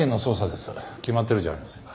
決まってるじゃありませんか。